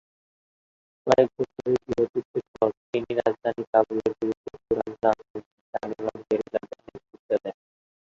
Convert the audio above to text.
কয়েক বছরের গৃহযুদ্ধের পর, তিনি রাজধানী কাবুলের বিরুদ্ধে চূড়ান্ত আক্রমণে তালেবান গেরিলাদের নেতৃত্ব দেন।